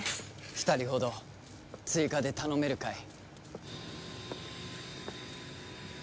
２人ほど追加で頼めるかい？